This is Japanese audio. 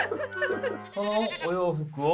このお洋服を？